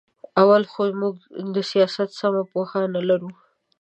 اول خو موږ د سیاست سمه پوهه نه لرو.